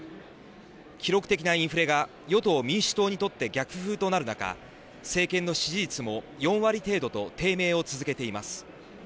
記録的なインフレが与党・民主党にとって逆風となる中政権の支持率も４割程度と低迷を続けています。